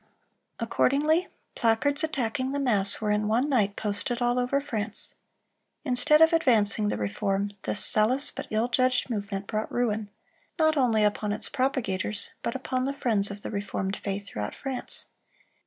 Accordingly placards attacking the mass were in one night posted all over France. Instead of advancing the reform, this zealous but ill judged movement brought ruin, not only upon its propagators, but upon the friends of the reformed faith throughout France.